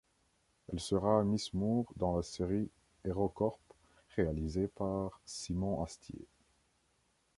Elle sera Miss Moore dans la série Hero Corp réalisée par Simon Astier.